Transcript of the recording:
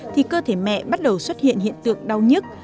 thì cơ thể mẹ bắt đầu xuất hiện hiện tượng đau nhức